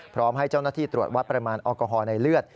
พร้อมให้เจ้าหน้าที่ตรวจวัดปริมาณแอลกอฮอลในเลือด